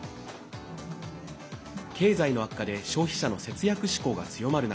経済の悪化で消費者の節約志向が強まる中